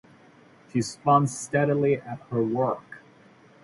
She spun steadily at her work.